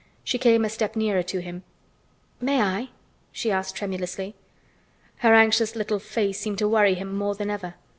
She came a step nearer to him. "May I?" she said tremulously. Her anxious little face seemed to worry him more than ever.